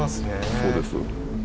そうです。